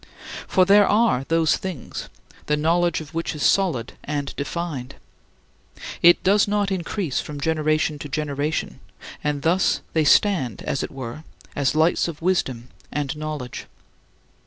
For there are those things, the knowledge of which is solid and defined. It does not increase from generation to generation and thus they stand, as it were, as lights of wisdom and knowledge.